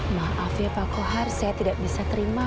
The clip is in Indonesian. maaf ya pak kohar saya tidak bisa terima